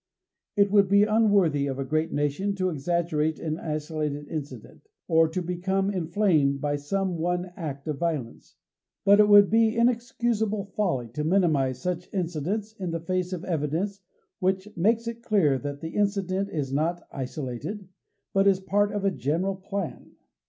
It would be unworthy of a great nation to exaggerate an isolated incident, or to become inflamed by some one act of violence. But it would be inexcusable folly to minimize such incidents in the face of evidence which makes it clear that the incident is not isolated, but is part of a general plan.